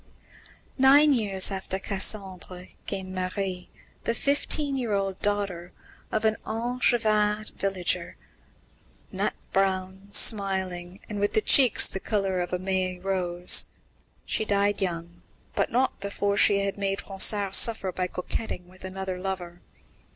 Nine years after Cassandre came Marie, the fifteen year old daughter of an Angevin villager, nut brown, smiling, and with cheeks the colour of a May rose. She died young, but not before she had made Ronsard suffer by coquetting with another lover.